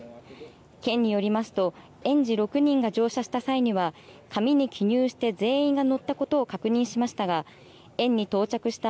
県によりますと園児６人が乗車した際には紙に記入して全員が乗ったことを確認しましたが園に到着した